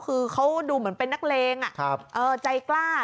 คือเขาดูเหมือนเป็นนักเลงใจกล้า